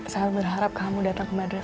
saya berharap kamu datang ke madura